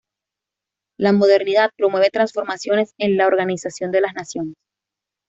La Modernidad promueve transformaciones en la organización de las naciones.